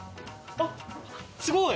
あっすごい！